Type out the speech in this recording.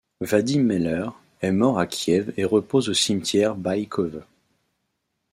Vadim Meller est mort à Kiev et repose au cimetière Baïkove.